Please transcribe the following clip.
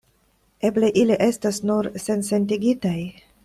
Eble ili estas nur sensentigitaj?